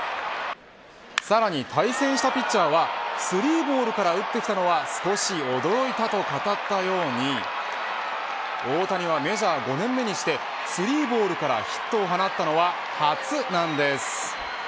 さらに、対戦したピッチャーは３ボールから打ってきたのは少し驚いたと語ったように大谷はメジャー５年目にして３ボールからヒットを放ったのは初なんです。